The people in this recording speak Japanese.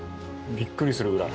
びっくりするぐらい。